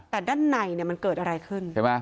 แต่ด้านในเนี่ยมันเกิดอะไรขึ้นใช่ไหม